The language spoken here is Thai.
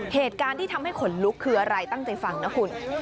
เหตุการณ์ที่ทำให้ขนลุกคืออะไรตั้งใจฟังนะคุณ